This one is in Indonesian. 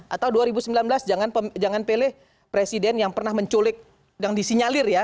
atau dua ribu sembilan belas jangan pilih presiden yang pernah menculik yang disinyalir ya